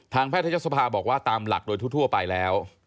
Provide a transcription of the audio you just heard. แพทยศภาบอกว่าตามหลักโดยทั่วไปแล้ว